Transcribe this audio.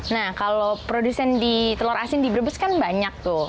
nah kalau produsen di telur asin di brebes kan banyak tuh